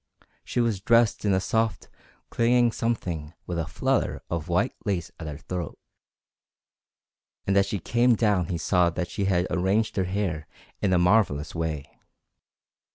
She was dressed in a soft, clinging something with a flutter of white lace at her throat, and as she came down he saw that she had arranged her hair in a marvellous way.